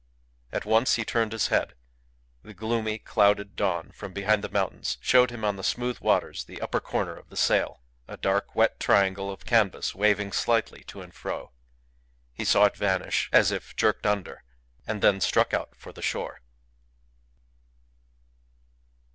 At once he turned his head. The gloomy, clouded dawn from behind the mountains showed him on the smooth waters the upper corner of the sail, a dark wet triangle of canvas waving slightly to and fro. He saw it vanish, as if jerked under, and then struck out for the shore.